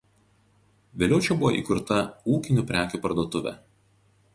Vėliau čia buvo įkurta ūkinių prekių parduotuvė.